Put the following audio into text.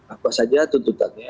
apa saja tuntutannya